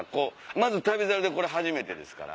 まず『旅猿』で初めてですから。